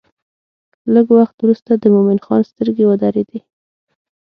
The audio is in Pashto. لږ وخت وروسته د مومن خان سترګې ودرېدې.